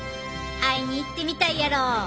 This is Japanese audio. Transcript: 会いに行ってみたいやろ？